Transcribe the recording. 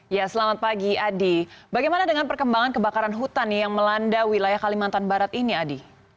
ya selamat pagi adi bagaimana dengan perkembangan kebakaran hutan yang melanda wilayah kalimantan barat ini adi